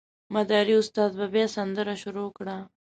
مداري استاد به بیا سندره شروع کړه.